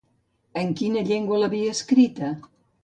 En quina llengua l'havia escrita?